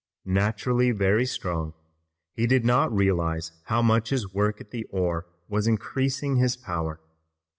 Naturally very strong, he did not realize how much his work at the oar was increasing his power.